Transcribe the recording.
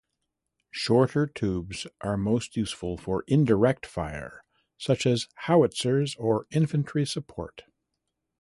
Shorter tubes are most useful for indirect fire, such as howitzers or infantry support.